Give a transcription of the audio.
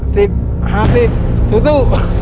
๕๐สู้